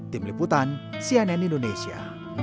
tim liputan cnn indonesia